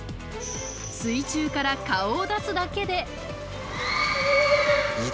水中から顔を出すだけで。